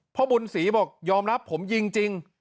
พ่อบุญศรีบอกยอมรับผมยิงจริง